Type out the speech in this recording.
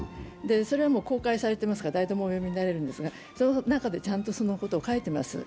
それはもう公開されていますから誰でもお読みになれるんですが、その中でちゃんと書いてます。